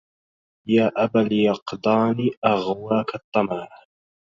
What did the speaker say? يا أبا اليقظان أغواك الطمع